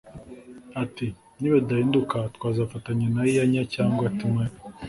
Ati “Nibidahinduka twazafatanya na Iyanya cyangwa Timaya